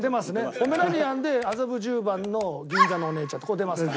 ポメラニアンで麻布十番の銀座のお姉ちゃんってこれ出ますから。